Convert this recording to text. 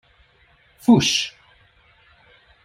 Fuss!